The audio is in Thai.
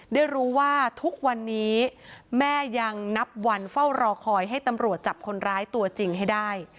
ได้รู้ว่าทุกวันนี้แม่ยังนับวันเฝ้ารอคอยให้ตำรวจจับคนร้ายตัวจริงให้ได้